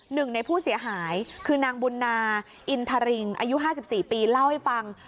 หนึ่งในผู้เสียหายคือนางบุญนาอินทริงอายุ๕๔ปีเล่าให้ฟัง